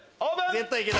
絶対行けた。